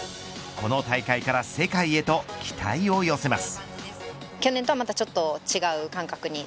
この大会から世界へと期待を寄せます。